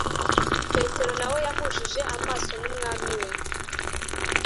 petero nawe yahujije amaso n’umwami we